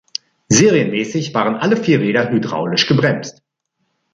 Serienmäßig waren alle vier Räder hydraulisch gebremst.